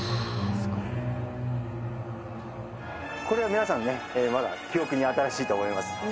これは皆さんねまだ記憶に新しいと思います。